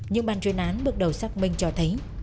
nhưng ban chuyên án bước đầu xác minh cho thấy